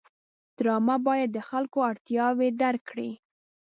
ډرامه باید د خلکو اړتیاوې درک کړي